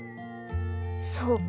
そうか。